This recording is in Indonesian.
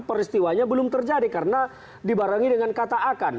peristiwanya belum terjadi karena dibarengi dengan kata akan